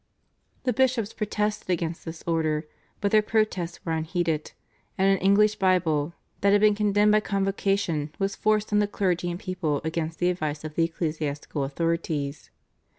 The bishops protested against this order, but their protests were unheeded, and an English Bible, that had been condemned by Convocation, was forced on the clergy and people against the advice of the ecclesiastical authorities.